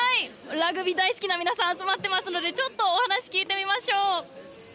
ラグビー大好きな皆さんが集まってますので、ちょっとお話を聞いてみましょう。